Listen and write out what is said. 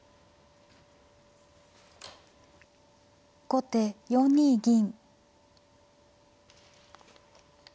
後手４二銀。